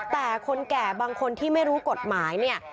แต่คนแก่บางคนที่ไม่รู้กฎหมายเนี่ย